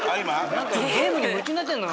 何かゲームに夢中になってんの。